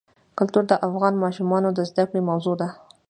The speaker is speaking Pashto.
کلتور د افغان ماشومانو د زده کړې موضوع ده.